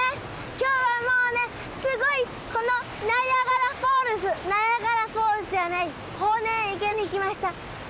今日はもうねすごいこのナイアガラフォールズナイアガラフォールズじゃない豊稔池に来ました。